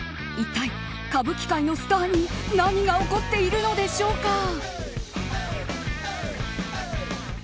一体、歌舞伎界のスターに何が起こっているのでしょうか。